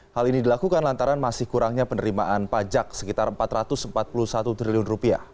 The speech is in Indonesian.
hal ini dilakukan lantaran masih kurangnya penerimaan pajak sekitar rp empat ratus empat puluh satu triliun